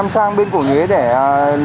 em không biết em thấy mọi người ra nên ra thôi